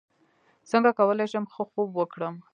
څنګه کولی شم ښه خوب وکړم